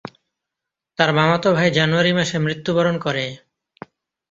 তার মামাতো ভাই জানুয়ারি মাসে মৃত্যুবরণ করে।